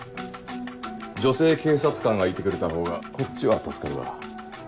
女性警察官がいてくれたほうがこっちは助かるが。